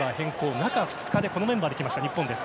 中２日で、このメンバーできました日本です。